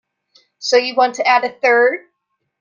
So you want to add a third?